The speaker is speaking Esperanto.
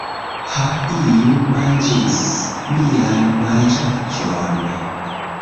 Ha, iu manĝis mian manĝaĵon!